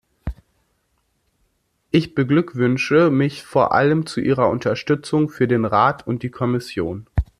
Ich beglückwünsche mich vor allem zu Ihrer Unterstützung für den Rat und die Kommission.